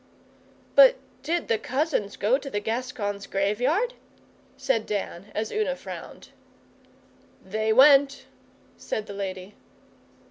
'But did the cousins go to the Gascons' Graveyard?' said Dan, as Una frowned. 'They went,' said the lady.